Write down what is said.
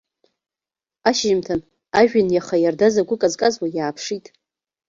Ашьыжьымҭан, ажәҩан иаха иардаз агәы казказуа иааԥшит.